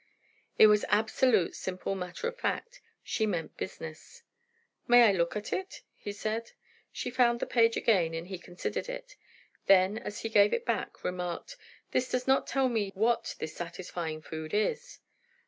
It was absolute simple matter of fact; she meant business. "May I look at it?" he said. She found the page again, and he considered it. Then as he gave it back, remarked, "This does not tell me yet what this satisfying food is?"